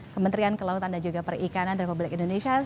kementerian kelautan dan juga perikanan republik indonesia